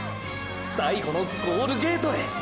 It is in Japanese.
最後のゴールゲートへ！！